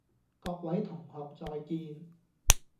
各位同學再見